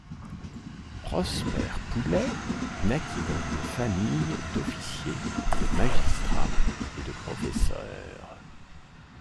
Prosper Poullet naquit dans une famille d'officiers, de magistrats et de professeurs.